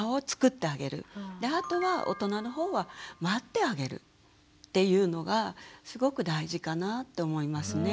あとは大人の方は待ってあげるっていうのがすごく大事かなと思いますね。